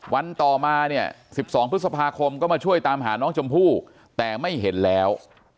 วันต่อมาเนี่ย๑๒พฤษภาคมก็มาช่วยตามหาน้องชมพู่แต่ไม่เห็นแล้ว